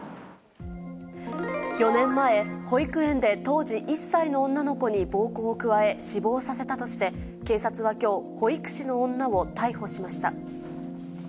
４年前、保育園で当時１歳の女の子に暴行を加え、死亡させたとして、警察はきょう、保育士の女を逮捕しました。